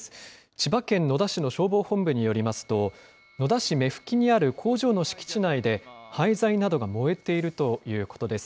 千葉県野田市の消防本部によりますと、野田市目吹にある工場の敷地内で、廃材などが燃えているということです。